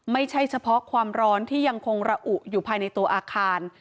ไม่ใช่เฉพาะความร้อนที่ยังคงระอุอยู่ภายในตัวอาคาร